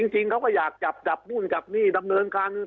จริงเขาก็อยากจับมุ่นจับหนี้ดำเนินค้าหนึ่ง